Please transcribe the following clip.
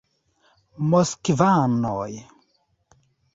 Moskvanoj!